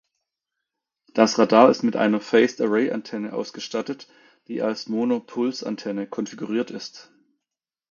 Das Radar ist mit einer Phased-Array-Antenne ausgestattet, die als Monopuls-Antenne konfiguriert ist.